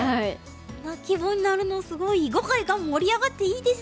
この規模になるのすごい囲碁界が盛り上がっていいですね。